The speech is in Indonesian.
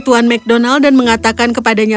tuan mcdonald dan mengatakan kepadanya